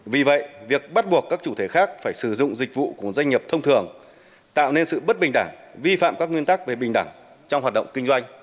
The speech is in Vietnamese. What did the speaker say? vì vậy việc bắt buộc các chủ thể khác phải sử dụng dịch vụ của doanh nghiệp thông thường tạo nên sự bất bình đẳng vi phạm các nguyên tắc về bình đẳng trong hoạt động kinh doanh